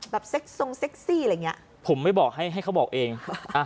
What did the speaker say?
เซ็กทรงเซ็กซี่อะไรอย่างเงี้ยผมไม่บอกให้ให้เขาบอกเองอ่า